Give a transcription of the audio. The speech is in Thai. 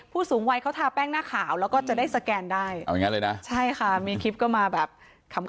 ผู้สูงวัยเขาทาแป้งหน้าขาวแล้วก็จะได้สแกนใช่ค่ะมีคลิปก็มาแบบขำ